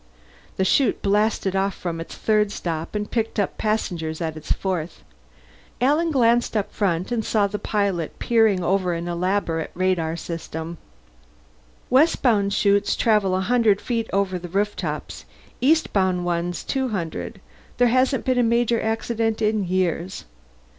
The Shoot blasted off from its third stop and picked up passengers at its fourth. Alan glanced up front and saw the pilot peering over an elaborate radar setup. "Westbound Shoots travel a hundred feet over the roof tops, eastbound ones two hundred. There hasn't been a major accident in years.